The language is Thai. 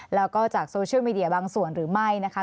แล้วก็จากโซเชียลมีเดียบางส่วนหรือไม่นะคะ